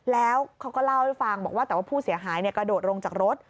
แล้วเขาก็เล่าให้ฟังบอกว่าแต่ว่าผู้เสียหายกระโดดลงจากรถ